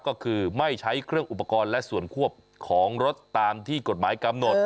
ก็คือไม่ใช้เครื่องอุปกรณ์และส่วนควบของรถตามที่กฎหมายกำหนด